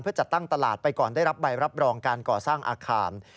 เพื่อจัดตั้งตลาดไปก่อนได้รับใบรับรองการก่อสร้างอาคาร